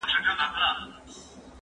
زه هره ورځ انځورونه رسم کوم،